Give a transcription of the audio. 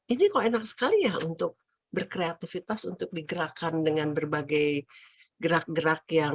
ini kok enak sekali ya untuk berkreativitas untuk digerakkan dengan berbagai gerak gerak yang